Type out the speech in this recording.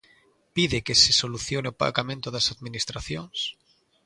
Pide que se solucione o pagamento das administracións.